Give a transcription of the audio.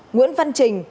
nguyễn văn trình